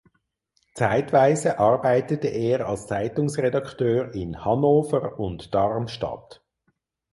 Zeitweise arbeitete er als Zeitungsredakteur in Hannover und Darmstadt.